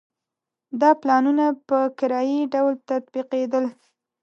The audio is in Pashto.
دا پلانونه په کرایي ډول تطبیقېدل.